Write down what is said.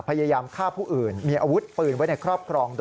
พยายามฆ่าผู้อื่นมีอาวุธปืนไว้ในครอบครอง